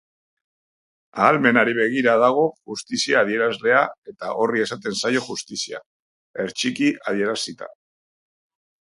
Ahalmenari begira dago justizia adierazlea eta horri esaten zaio justizia, hertsiki adierazita.